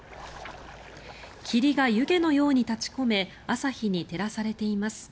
霧が湯気のように立ち込め朝日に照らされています。